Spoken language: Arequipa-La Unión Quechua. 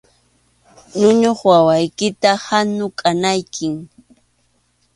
Ñuñuq wawaykita hanukʼanaykim.